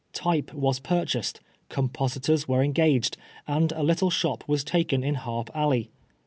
Type was purchased, compositors were engaged, and a little shop was taken in Harp Alley.